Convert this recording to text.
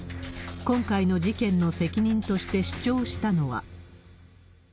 今回の事件の責任として主張したのは。